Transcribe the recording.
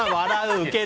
ウケる！